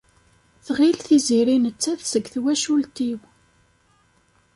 Tɣil Tiziri nettat seg twacult-iw.